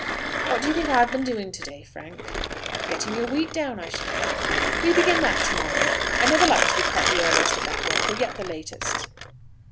"What do you think I've been doing to day, Frank?" "Getting your wheat down, I should hope." "We begin that to morrow. I never like to be quite the earliest at that work, or yet the latest."